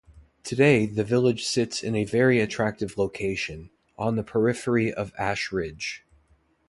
Today the village sits in a very attractive location, on the periphery of Ashridge.